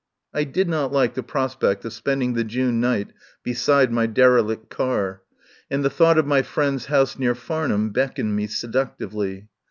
I did not like the prospect of spending the June night beside my derelict car, and the thought of my friend's house near Farnham beckoned me seductively.